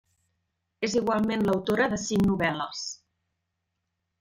És igualment l’autora de cinc novel·les.